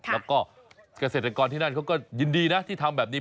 แล้วก็เกษตรกรที่นั่นเขาก็ยินดีนะที่ทำแบบนี้